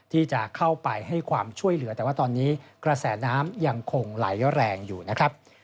ที่จะเข้าไปให้ความช่วยเหลือแต่ว่าตอนนี้กระแสน้ำยังคงไหลแรงอยู่นะครับ